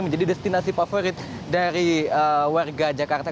menjadi destinasi favorit dari warga jakarta